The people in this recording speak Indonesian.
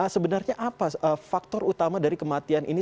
sebenarnya apa faktor utama dari kematian ini